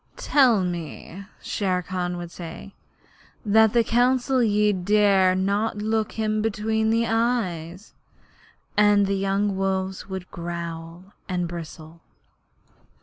'They tell me,' Shere Khan would say, 'that at Council ye dare not look him between the eyes'; and the young wolves would growl and bristle.